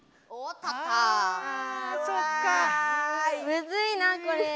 むずいなこれ。